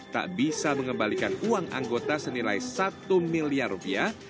tak bisa mengembalikan uang anggota senilai satu miliar rupiah